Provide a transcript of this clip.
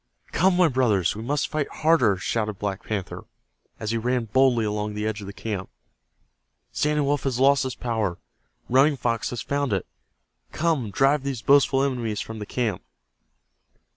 "Come, my brothers, we must fight harder!" shouted Black Panther, as he ran boldly along the edge of the camp. "Standing Wolf has lost his power. Running Fox has found it. Come, drive these boastful enemies from the camp!"